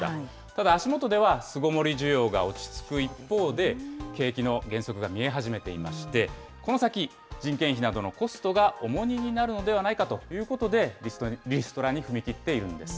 ただ足元では巣ごもり需要が落ち着く一方で、景気の減速が見え始めていまして、この先、人件費などのコストが重荷になるのではないかということで、リストラに踏み切っているんです。